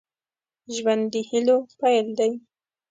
ژوند د هيلو پيل دی